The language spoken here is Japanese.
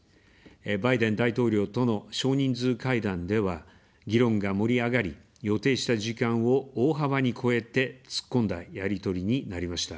バイデン大統領との少人数会談では、議論が盛り上がり、予定した時間を大幅に超えて、突っ込んだやり取りになりました。